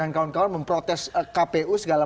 dan kawan kawan memprotes kpu segala